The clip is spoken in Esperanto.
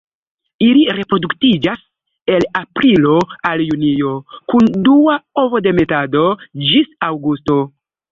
Ili reproduktiĝas el aprilo al junio, kun dua ovodemetado ĝis aŭgusto.